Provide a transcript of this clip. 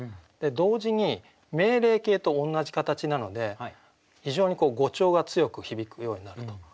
同時に命令形と同じ形なので非常に語調が強く響くようになると。